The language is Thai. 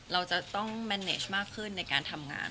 เราจะต้องแมนเนสมากขึ้นในการทำงาน